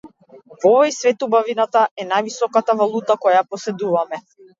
Во овој свет убавината е највисоката валута која ја поседуваме.